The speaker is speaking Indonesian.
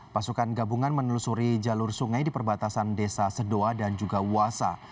pasukan gabungan menelusuri jalur sungai di perbatasan desa sedoa dan juga wasa